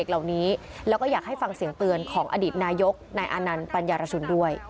คงมองเห็นในสิ่งที่ความปราธนาดีของเยี่ยมว่าชน